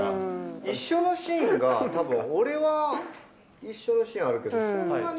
一緒のシーンが、たぶん、俺は一緒のシーンあるけど、そんなに。